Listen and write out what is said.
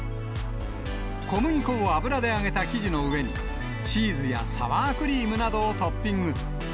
小麦粉を油で揚げた生地の上に、チーズやサワークリームなどをトッピング。